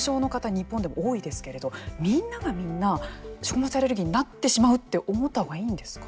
日本でも多いですけれどみんながみんな食物アレルギーになってしまうって思ったほうがいいんですか。